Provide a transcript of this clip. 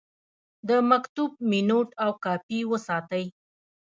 د مکتوب مینوټ او کاپي وساتئ.